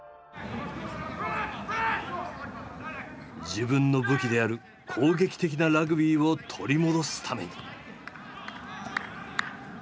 自分の武器である攻撃的なラグビーを取り戻すために。